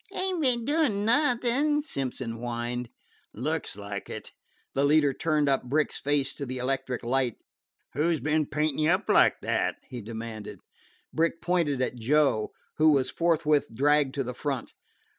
"Ain't be'n doin' nothin'," Simpson whined. "Looks like it." The leader turned up Brick's face to the electric light. "Who 's been paintin' you up like that?" he demanded. Brick pointed at Joe, who was forthwith dragged to the front.